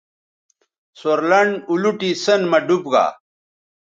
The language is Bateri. سور لنڈ اولوٹی سیئن مہ ڈوب گا